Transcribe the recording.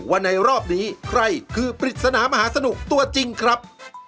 ว่าในรอบนี้ใครคือปริศนามหาสนุกตัวจริงครับ